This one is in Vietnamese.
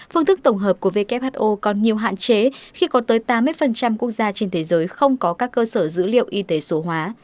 phương thức tổng hợp của who còn nhiều hạn chế khi có tới tám mươi quốc gia trên thế giới không có các cơ sở dữ liệu y tế số hóa